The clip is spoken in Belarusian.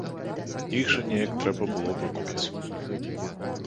Іх жа неяк трэба было выкупіць.